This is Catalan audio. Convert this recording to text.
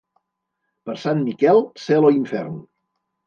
Per Sant Miquel, cel o infern.